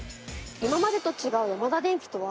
今までと違うヤマダデンキとは？